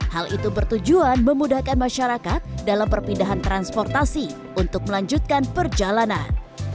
hal itu bertujuan memudahkan masyarakat dalam perpindahan transportasi untuk melanjutkan perjalanan